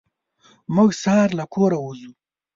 موږ سهار له کوره وځو.